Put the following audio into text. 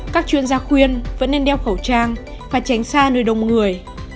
các chuyên gia khuyên vẫn nên đeo khẩu trang và tránh xa nơi đông người